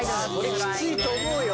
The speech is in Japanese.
それきついと思うよ。